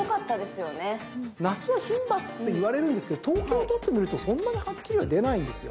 夏は牝馬っていわれるんですけど統計を取ってみるとそんなにはっきりは出ないんですよ。